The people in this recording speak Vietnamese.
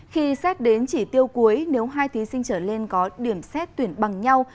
khi xét đến chỉ tiêu cuối nếu hai thí sinh trở lên có điểm xét tuyển bằng nhau